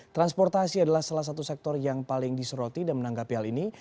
transportasi adalah salah satu sektor yang paling disoroti dan menanggapi hal ini